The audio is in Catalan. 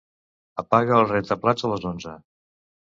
Apaga el rentaplats a les onze.